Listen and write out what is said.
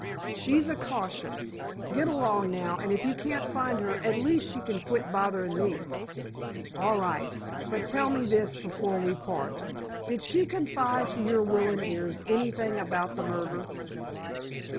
"She's a caution! Get along now, and if you can't find her, at least you can quit botherin' me." "All right. But tell me this, before we part. Did she confide to your willin' ears anything about the murder?"